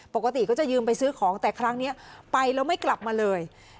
ปกติก็จะยืมไปซื้อของแต่ครั้งนี้ไปแล้วไม่กลับมาเลย